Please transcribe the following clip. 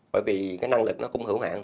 bởi vì cái năng lực nó cũng hữu hạn